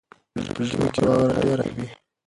په ژمي کې واوره ډېره وي.